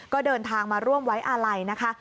ก็เดินทางมาร่วมไว้อาลัยนะคะ